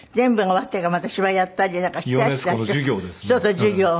『授業』を。